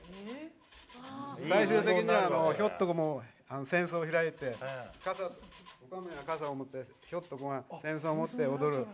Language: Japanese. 最終的にもひょっとこも扇子を開いて傘を持ってひょっとこが扇子を持って踊る。